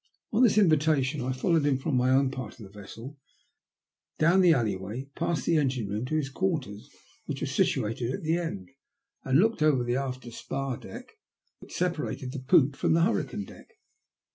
On this invitation I followed him from my own part of the vessel, down the alley way, past the engine room, to his quarters, which were situated at the end, and looked over the after spar deck that 123 THE LUST OF HATB. separated the poop from the hurricane deck.